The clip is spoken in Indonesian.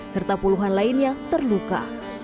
serta puluhan lainnya terluka